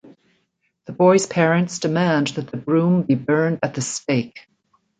The boys' parents demand that the broom be burned at the stake.